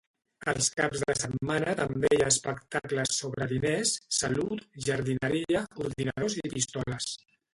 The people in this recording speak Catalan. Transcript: Els caps de setmana també hi ha espectacles sobre diners, salut, jardineria, ordinadors i pistoles.